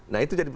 nah itu jadi